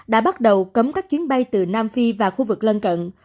đã bắt đầu cấm các chuyến bay từ nam phi và khu vực lân cận